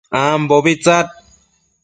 ambobi tsad